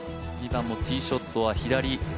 ２番もティーショットは左。